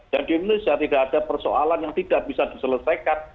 dan di indonesia tidak ada persoalan yang tidak bisa diselesaikan